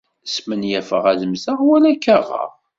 Smenyafeɣ ad mmteɣ wala ad k-aɣeɣ!